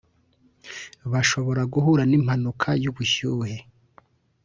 bashobora guhura n’impanuka y’ubushye